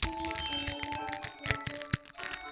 最终经典童星在登场后为最佳导演作颁奖嘉宾。